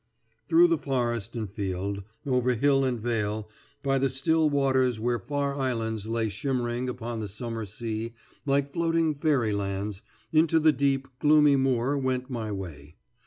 Through forest and field, over hill and vale, by the still waters where far islands lay shimmering upon the summer sea like floating fairy lands, into the deep, gloomy moor went my way.